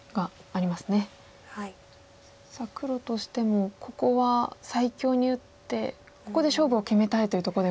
さあ黒としてもここは最強に打ってここで勝負を決めたいというとこでも。